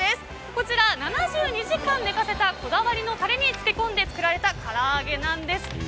こちら、７２時間寝かせたこだわりのタレに漬け込んで作られたからあげなんです。